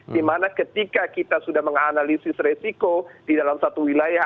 dimana ketika kita sudah menganalisis resiko di dalam satu wilayah